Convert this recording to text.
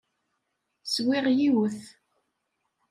Swiɣ yiwet.